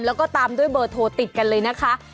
แล้วก็ตามด้วยเบอร์โทรติดกันเลยนะคะ